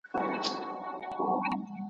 اخره زمانه سوه د چرګانو یارانه سوه `